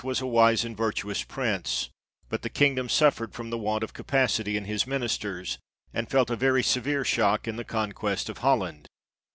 was a wise and virtuous prince, but the kingdom suffered from the want of capacity in his ministers, and felt a very severe shock in the conquest of Holland.